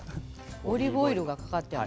オリーブオイルがかかっている。